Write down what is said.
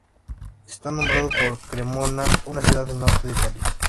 Está nombrado por Cremona, una ciudad del norte de Italia.